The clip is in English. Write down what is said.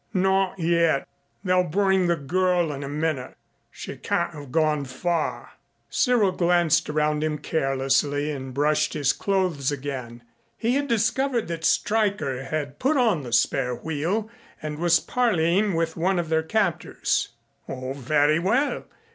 "Not yet. They'll bring the girl in a minute. She can't have gone far." Cyril glanced around him carelessly and brushed his clothes again. He had discovered that Stryker had put on the spare wheel and was parleying with one of their captors. "Oh, very well.